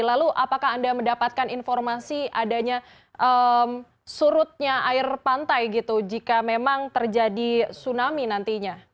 lalu apakah anda mendapatkan informasi adanya surutnya air pantai gitu jika memang terjadi tsunami nantinya